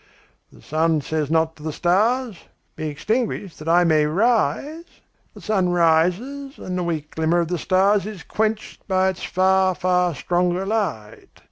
The sun says not to the stars: 'Be extinguished that I may rise.' The sun rises and the weak glimmer of the stars is quenched by its far, far stronger light.